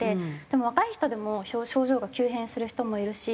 でも若い人でも症状が急変する人もいるし。